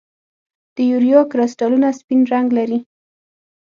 د یوریا کرسټلونه سپین رنګ لري.